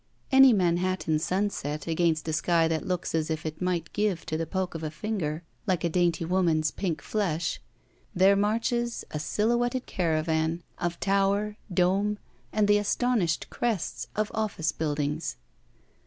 Any Manhattan sunset, against a sky that looks as if it might give to the poke of a &iger, like a dainty woman's pink flesh, there marches a sil houetted caravan of tower, dome, and the astonished crests of office buildings.